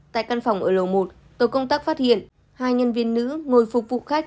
tại căn phòng ở lầu một tổ công tác phát hiện hai nhân viên nữ ngồi phục vụ khách